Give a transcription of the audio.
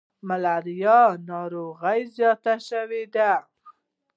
ملاریا ناروغي زیاته شوي ده.